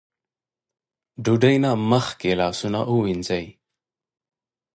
ډوډۍ نه مخکې لاسونه ووينځئ ـ